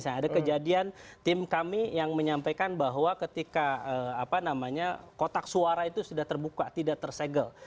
ada kejadian tim kami yang menyampaikan bahwa ketika kotak suara itu sudah terbuka tidak tersegel